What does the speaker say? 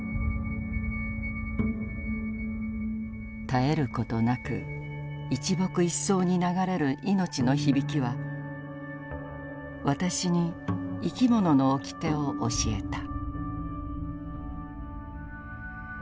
「絶えることなく一木一草に流れるいのちの響きは私に生きものの掟を教えた」。